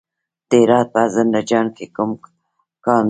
د هرات په زنده جان کې کوم کان دی؟